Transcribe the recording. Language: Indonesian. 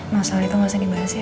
masalah itu nggak usah dibahas ya